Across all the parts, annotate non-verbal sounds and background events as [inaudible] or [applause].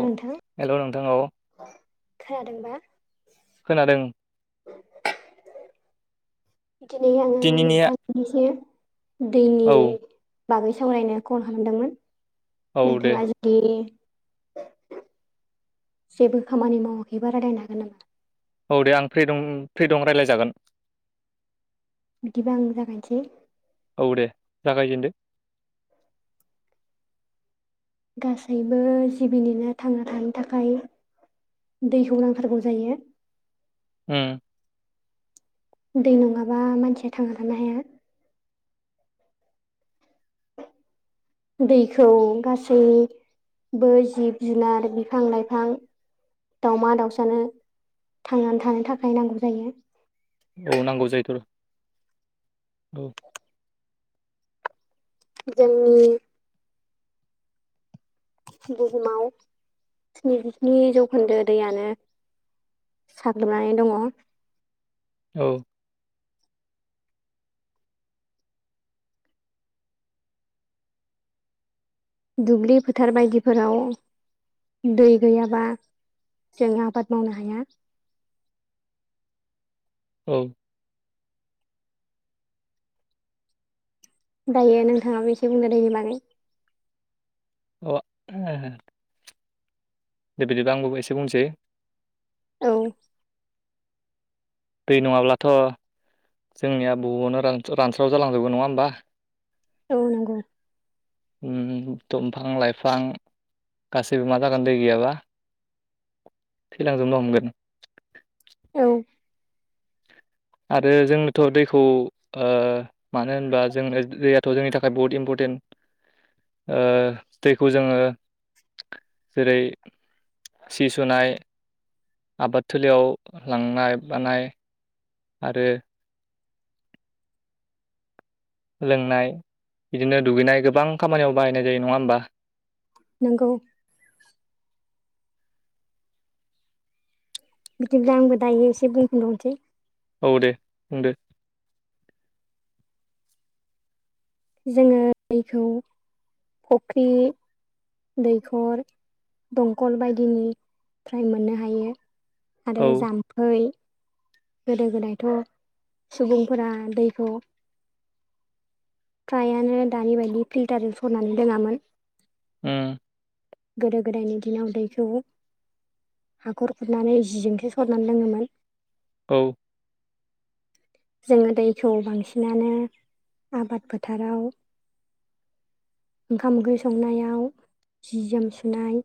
नोंथां हेल' नोंथां औ। खोनादोंबा? खोनादों। बिदिनै आङो दिनैनिया नोंथांनिसे दैनि औ बागै सावरायनो कल खालामदोंमोन औ दे नोंथाङा जुदि जेबो खामानि मावाखैबा रालायनो हागोन नामा। औ दे आं फ्रि दं फ्रि दं रायलायजागोन। बिदिबा आं जागायनोसै औ दे जागायजेनदो। गासैबो जिबिनिनो थांना थाना थानो थाखाय दैखौ नांथारगौ जायो। ओम दै नङाबा मानसिया थांना थानो हाया। दैखौ गासै बो जिब जुनार बिफां लाइफां। दाउमा दाउसानो थांनानै थानो थाखाय नांगौ जायो। औ नांगौ जायोथ'र'। औ। जोंनि बुहुमाव स्निजिस्नि जौखोन्दो दैयानो साग्लोबनानै दङ। औ। दुब्लि फोथार बायदिफोराव दै गैयाबा जों आबाद मावनो हाया। [inaudible] औ। दायो नोंथाङाबो एसे बुंनो दैनि बागै अ [unintelligible] दे बिदिबा आंबो एसे बुंसै औ। दै नङाब्लाथ' जोंनिया बुवानो रानस्राव रानस्राव जालांजोबगोन नङा होमबा। औ नोंगौ। ओम दंफां लाइफां गासैबो मा जागोन दै गैयाबा थैलांजोबनो हमगोन। औ आरो जोंनोथ' दैखौ ओ मानो होनबा जोंनो दैयाथ' जोंनि थाखाय बहुत इम्पर्टेन्ट ओ दैखौ जोङो जेरै सि सुनाय आबाद थोलियाव लांनाय बानाय आरो लोंनाय बिदिनो दुगैनाय गोबां खामानियाव बाहायनाय जायो नङा होमबा नोंगौ। बिदिब्ला आंबो दायो एसे बुंफिन बालनोसै। औ दे बुंदो। जोङो दैखौ फख्रि दैखर दंखल बायदिनिफ्राय मोननो हायो। आरो औ जाम्फै गोदो-गोदायथ' सुबुंफोरा दैखौ फ्रायानो दानि बायदि फिल्टारजों सरनानै लोङामोन। ओम गोदो-गोदायनि दिनाव दैखौ हाखर खुरनानै जिजोंसो सरनानै लोङोमोन। औ‌ जोङो दैखौ बांसिनानो आबाद फोथाराव ओंखाम ओंख्रि संनायाव जि जोम सुनाय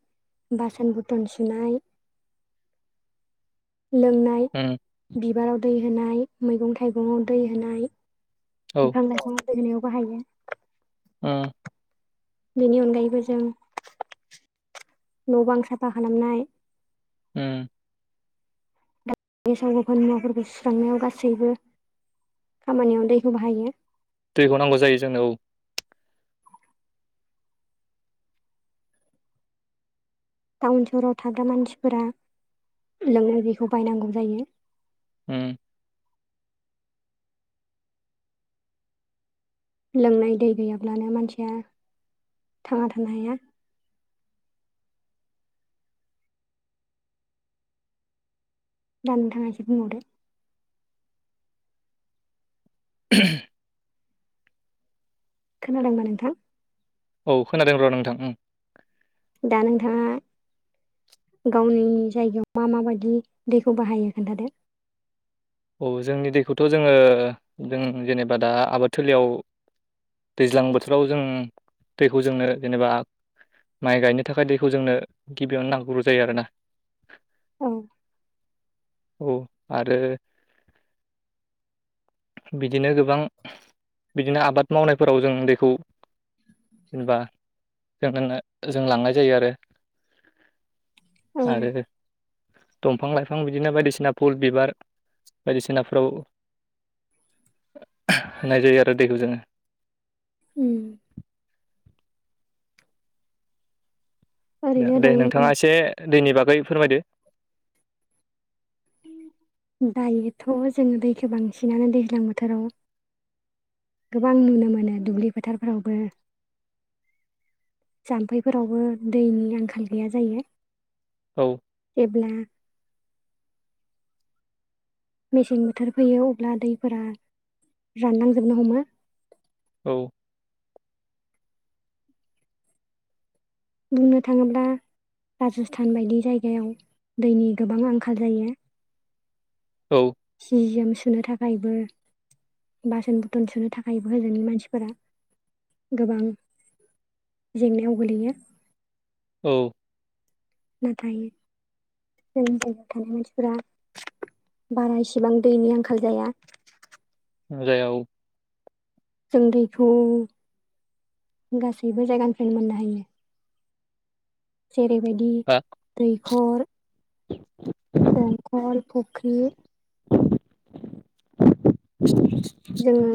बासान बरटन सुनाय लोंनाय उम बिबाराव दै होनाय मैगं-थाइगंयाव दै होनाय औ बिफां-लाइफां गायनायाव बाहायो ओ बेनि अनगायैबो जों न' बां साफा खालामनाय उ गेसाव गोफोन मुवाफोरखौ सुस्रांनायाव गासैबो खामानियाव दैखौ बाहायो। दैखौ नांगौ जायो जोंनो औ टाउन सहराव थाग्रा मानसिफोरा लोंनाय बेखौ बायनांगौ जायो। उ लोंनाय दै गैयाब्लानो मानसिया थांना थानो हाया दा नोथांया एसे बुंबावदो [inaudible] खोनादोंना नोथां? औ खोनादों र' नोंथां ओं दा नोंथांया गावनिनि जायगायाव मा माबायदि दैखौ बाहायो खोनन्थादो औ जोंनि दैखौथ' जोङो जों जेनेबा दा आबाद थिलियाव दैज्लां बोथोराव जों दैखौ जोंनो जेनेबा माइ गायनो थाखाय दैखौ जोंनो गिबियावनो नांग्रोगौ जायो आरोना औ औ आरो बिदिनो गोबां बिदिनो आबाद मावनायफोराव जों दैखौ जेनबा जों जों लांनाय जायो आरो औ आरो दंफां-लाइफां बिदिनो बायदिसिना फुल बिबार बायदिसिनाफ्राव होनाय जायो आरो दैखौ जोङो उ दे ओरैनो दे दों नोंथाङा एसे दैनि बागै फोरमायदो। उ दायोथ' जोङो दैखौ बांसिनानो दैज्लां बोथोराव गोबां नुनो मोनो दुब्लि फोथारफोरावबो जाम्फैफोरावबो दैनि आंखाल गैया जायो। औ जेब्ला मेसें बोथोर फैयो अब्ला दैफोरा रानलांजोबनो हमो। औ बुंनो थाङोब्ला राजस्थान बायदि जायगायाव दैनि गोबां आंखाल जायो। औ जि जोम सुनो थाखायबो बासोन बरथन सुनो थाखायबो होजोननि मानसिफोरा गोबां जेंनायाव गोलैयो। औ दायो जोंनि जायगायाव थानाय मानसिफोरा बारा इसिबां दैनि आंखाल जाया। जाया औ जों दैखौ गासैबो जायगानिफ्रायनो मोननो हायो। जेरैबायदि हा दैखर दंखल फख्रि [inaudible] जोङो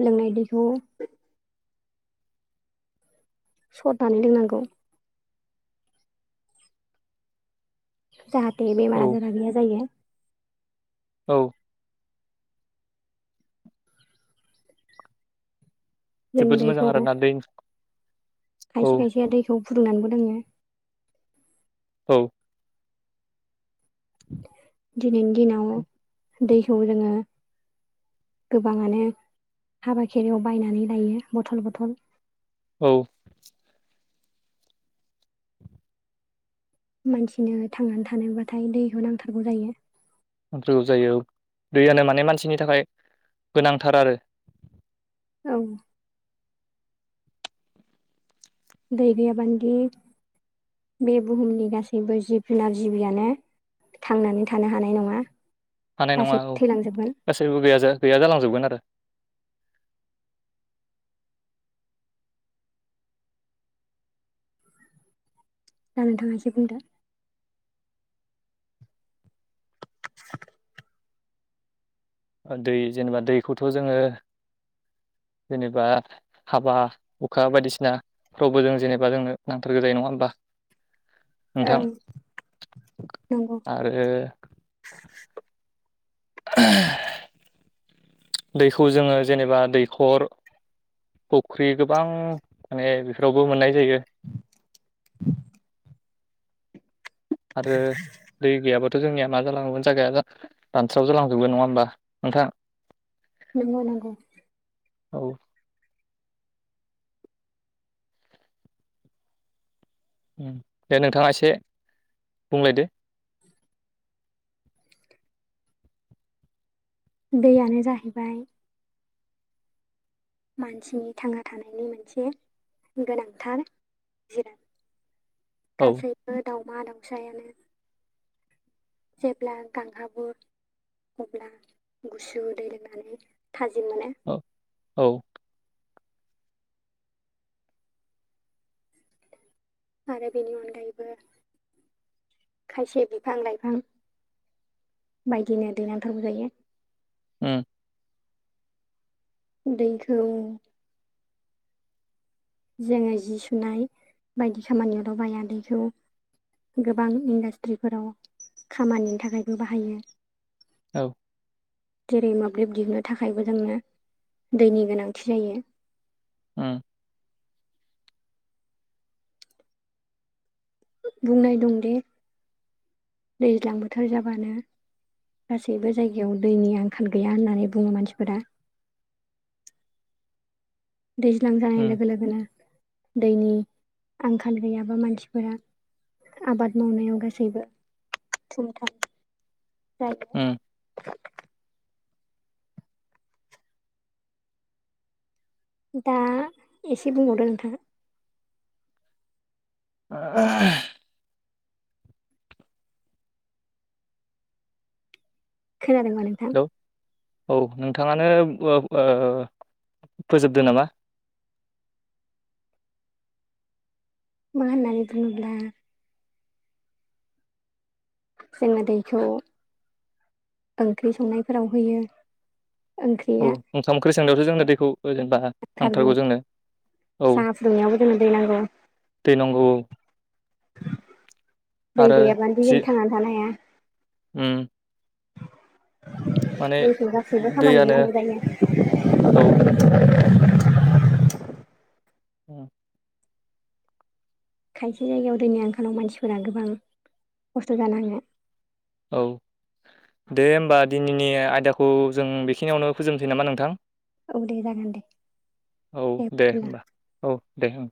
लोंनाय दैखौ - सरनानै लोंनांगौ। जाहाथे बेमार औ आजारा गैया जायो। औ जों जोबोद मोजां दैखौ आरोना दै औ खायसे खायसेया दैखौ फुदुंनानैबो। लोङो औ [inaudible] दिनैनि दिनाव दैखौ जोङो गोबाङानो हाबा खेरयाव बायनानै लायो बथल बथल। औ मानसिनो थांनानै थानोबाथाय दैखौ नांथारगौ जायो। नांथारगौ जायो औ दैयानो माने मानसिनि थाखाय गोनांथार आरो। औ दै गैयाबानदि बे बुहुमनि गासैबो जिब जुनार जिबियानो। थांनानै थानो हानाय नङा। हानाय नङा गासै औ थैलांजोबगोन गासैबो गैया गैया जालांजोबगोन आरो दा नोंथाङा एसे बुंदो। दै जेनेबा दैखौथ जोङो [inaudible] जेनेबा हाबा हुखा बायदिसिना फ्रावबो जों जेनेबा जोंनो नांथारगौ जायो नङा होमबा? [inaudible] नोंथां ओं नोंगौ। आरो [inaudible] दैखौ जोङो जेनेबा दैखर फख्रि गोबां माने बेफोरावबो मोननाय जायो। [inaudible] आरो दै गैयाबा थ जोंनिया मा जालांगौमोन जागाया रानस्राव जालांजोबगोन नङा होमबा नोंथां। नोंगौ नोंगौ। औ ओं दे नोंथाङा एसे बुंलायदो। दैयानो जाहैबाय मानसिनि थांना थानायनि मोनसे गोनांथार जिराद औ गासैबो दाउमा दाउसायानो जेब्ला गांहाबो अब्ला गुसु दै लोंनानै। थाजिम मोनो औ औ आरो बेनि अनगायैबो खायसे बिफां लाइफां बायदिनो दै नांथारगौ जायो। उम। दैखौ जोङो जि सुनाय बायदि खामानियाव दावबाया दैखौ गोबां इन्डास्ट्रिफोराव खामानिनि थाखायबो बाहायो औ। जेरै मोब्लिब दिहुननो थाखायबो जोंनो दैनि गोनांथि जायो ओं। बुंनाय दं दि दैज्लां बोथोर जाबानो गासैबो जायगायाव दैनि आंखाल गैया होननानै बुङो मानसिफोरा। [inaudible] दैज्लां जानाय उम लोगो लोगोनो दैनि आंखाल गैयाबा मानसिफोरा आबाद मावनायाव गासैबो जायो। उम दा एसे बुंबावदो नोंथाङा। [inaudible] खोनादोंबा नोंथां? औ नोंथाङानो ओ फोजोबदो नामा? [inaudible] मा होननानै बुङोब्ला जोंना दैखौ ओंख्रि संनायफोराव होयो। औ ओंख्रिया ओंखाम ओंख्रि सोंनायावसो जोंनो दैखौ जेनेबा थारगौ नांथारगौ जोंनो। औ साहा फुदुंनायावबो जोंनो दै नांगौ। दै नांगौ औ दै आरो गैयाब्लानो जि जों थांनानै थानो हाया। उम। माने दैखौ गासैबो खामानियाव दैयानो नांगौ जायो। औ उम। खायसे जायगायाव दैनि आंखालाव मानसिफोरा गोबां खस्थ जानाङो औ। दे होमबा दिनैनि आयदाखौ जों बेखिनियावनो फोजोबनोसै नामा नोंथां? औ दे जागोन दे औ दे होमबा औ दे ओं।